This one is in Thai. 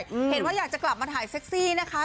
เห็นว่าอยากจะกลับมาถ่ายเซ็กซี่นะคะ